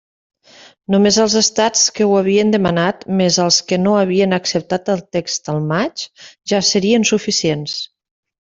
Només els estats que ho havien demanat, més els que no havien acceptat el text el maig, ja serien suficients.